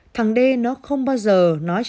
thằng d nó không bao giờ nói cho tôi biết